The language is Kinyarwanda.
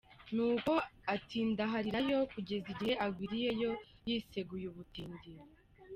Nuko atindaharirayo, kugeza igihe agwiriyeyo yiseguye ubutindi.